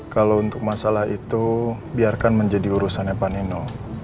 kalau untuk masalah itu biarkan menjadi urusannya panino